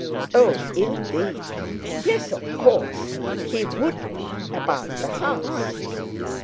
Oh, indeed! Yes, of course, he would be—about the house!